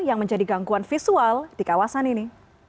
yang menjadi gangguan visual di kawasan ini